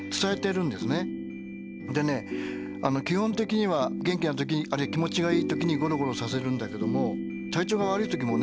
基本的には元気な時あるいは気持ちがいい時にゴロゴロさせるんだけども体調が悪い時もね